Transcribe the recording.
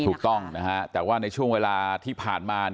ถูกต้องนะฮะแต่ว่าในช่วงเวลาที่ผ่านมา